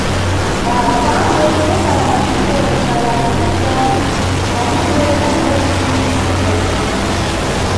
Paphwando, thunga la Mapiko limbalatiza khalidwe la mʼbodzi na mʼbodzi.